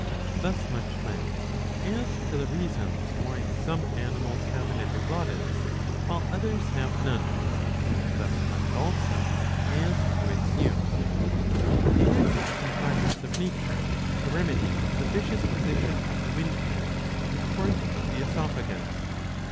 Thus much then as to the reasons why some animals have an epiglottis while others have none, and thus much also as to its use. It is a contrivance of nature to remedy the vicious position of the windpipe in front of the oesophagus.